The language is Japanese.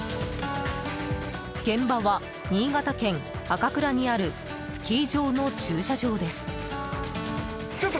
現場は、新潟県赤倉にあるスキー場の駐車場です。